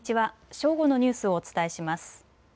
正午のニュースをお伝えします。